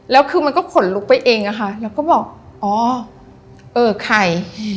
แล้วคือมันก็ขนลุกไปเองอะค่ะแล้วก็บอกอ๋อเออใคร